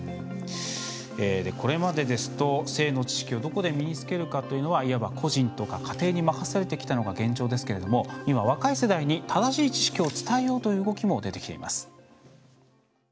これまでですと性の知識をどこで身につけるかというのはいわば個人とか家庭に任されてきたのが現状ですけれども今、若い世代に正しい知識を伝えようという動きも出てきています。